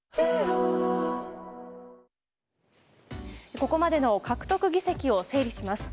ここまでの獲得議席を整理します。